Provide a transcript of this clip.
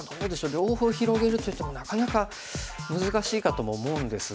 両方広げるといってもなかなか難しいかとも思うんですが。